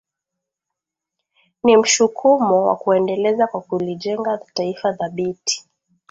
ni mshukumo wa kuendeleza kwa kulijenga taifa thabiti